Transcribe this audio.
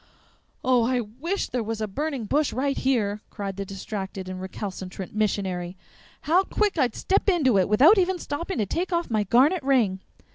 "Oh, I WISH there was a burning bush right here!" cried the distracted and recalcitrant missionary. "How quick I'd step into it without even stopping to take off my garnet ring!"